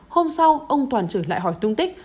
hôm sau ông toàn trở lại hỏi tung tích